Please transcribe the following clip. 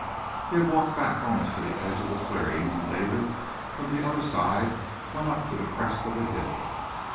He had walked back almost to the edge of the clearing when David, from the other side went up to the crest of the hill.